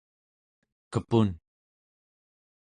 kepun